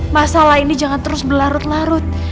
masalah ini jangan terus berlarut larut